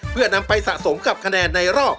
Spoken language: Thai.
เพื่อนำไปสะสมกับคะแนนในรอบ